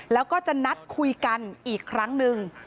แล้วก็จะนัดคุยกันอีกครั้งหนึ่ง